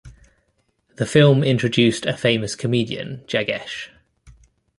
The film introduced a famous comedian Jaggesh.